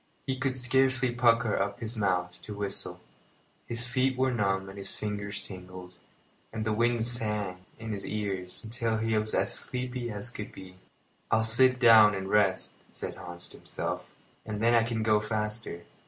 He could scarcely pucker up his mouth to whistle. His feet were numb and his fingers tingled, and the wind sang in his ears till he was as sleepy as sleepy could be. "I'll sit down and rest," said Hans to himself, "and then I can go faster."